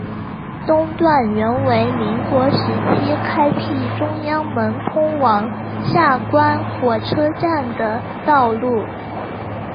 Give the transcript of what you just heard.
东段原为民国时期开辟中央门通往下关火车站的道路。